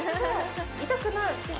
痛くない！